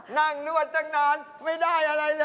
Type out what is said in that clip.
นวดตั้งนานไม่ได้อะไรเลย